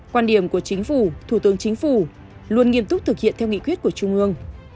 quan điểm của chính phủ thủ tướng chính phủ luôn nghiêm túc thực hiện theo nghị quyết của trung ương